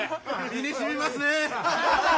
身にしみますね。